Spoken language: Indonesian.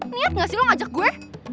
niat gak sih lo ngajak gue